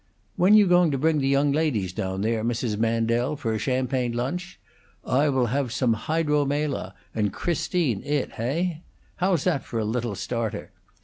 When you going to bring the young ladies down there, Mrs. Mandel, for a champagne lunch? I will have some hydro Mela, and Christine it, heigh? How's that for a little starter?